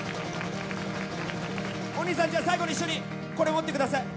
おにいさんじゃあ最後に一緒にこれ持って下さい。